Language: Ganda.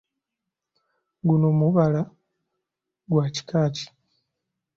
Guno mubala gwa kika ki ?